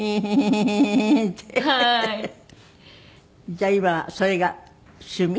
じゃあ今はそれが趣味？